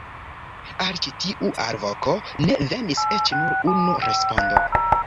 Al ĉi tiu alvoko ne venis eĉ nur unu respondo!